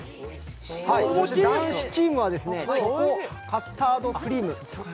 男子チームはチョコカスタードクリーム。